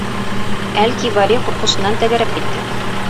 Әл-Кибари ҡурҡышынан тәгәрәп китте.